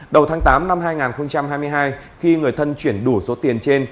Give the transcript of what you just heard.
đầu tháng tám năm hai nghìn hai mươi hai khi người thân chuyển đủ số tiền trên